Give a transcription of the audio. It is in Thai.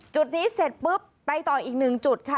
จุดนี้เสร็จปุ๊บไปต่ออีกหนึ่งจุดค่ะ